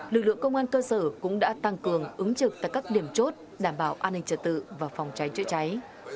lực lượng công an cơ sở cũng đã tăng cường ứng trực tại các điểm chốt đảm bảo an ninh trật tự và phòng cháy chữa cháy